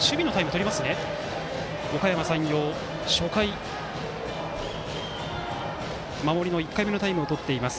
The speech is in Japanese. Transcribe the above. おかやま山陽が初回、守りの１回目のタイムをとっています。